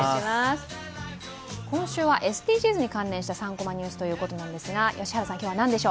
今週はＳＤＧｓに関連した「３コマニュース」ということです。